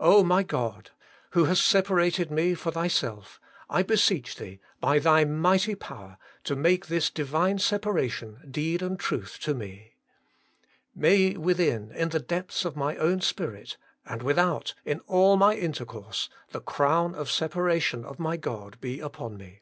my God ! who hast separated me for Thyself, I beseech Thee, by Thy mighty power, to make this Divine separation deed and truth to me. May within, in the depths of my own spirit, and with out, in all my intercourse, the crown of separation of my God be upon me.